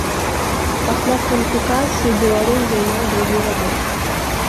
Пасля кваліфікацыі беларус займаў другі радок.